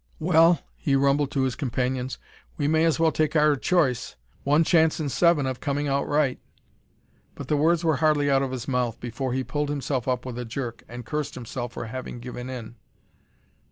"Well," he rumbled to his companions, "we may as well take our choice. One chance in seven of coming out right!" But the words were hardly out of his mouth before he pulled himself up with a jerk, and cursed himself for having given in.